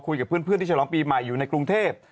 คุยกับเพื่อนที่ฉลองปีใหม่อยู่ในกรุงเทพ